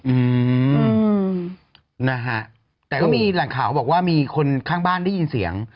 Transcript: อืมนะฮะแต่ก็มีแหล่งข่าวเขาบอกว่ามีคนข้างบ้านได้ยินเสียง